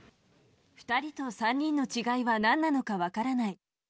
２人と３人の違いはなんなのか分からない。